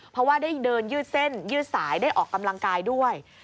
เพราะว่าได้เดินยืดเส้นยืดสายได้ออกกำลังกายด้วย